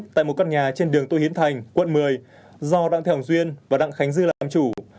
tại một căn nhà trên đường tô hiến thành quận một mươi do đặng thảo duyên và đặng khánh dư làm chủ